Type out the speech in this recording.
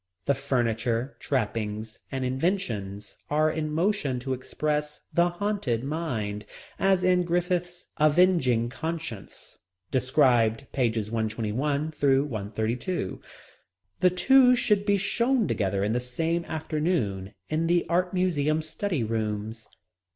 The furniture, trappings, and inventions are in motion to express the haunted mind, as in Griffith's Avenging Conscience, described pages 121 through 132. The two should be shown together in the same afternoon, in the Art Museum study rooms.